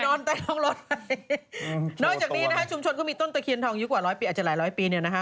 ช่อมีหรอก่อนจากนี้นะคะชุมชนก็มีต้นตะเคียนทองอายุกว่าร้อยปีอาจจะหลายร้อยปีไปะนะคะ